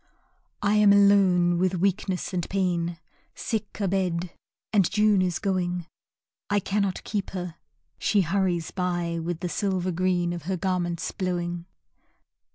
I am alone with Weakness and Pain, Sick abed and June is going, I cannot keep her, she hurries by With the silver green of her garments blowing.